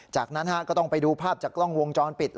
จากนั้นก็ต้องไปดูภาพจากกล้องวงจรปิด